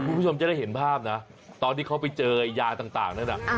คุณผู้ชมจะได้เห็นภาพนะตอนที่เขาไปเจอยาต่างนั้น